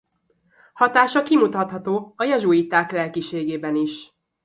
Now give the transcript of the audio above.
Hatása kimutatható a jezsuiták lelkiségében is.